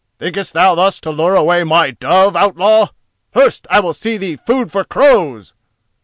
"Thinkest thou thus to lure away my dove, outlaw? First I will see thee food for crows."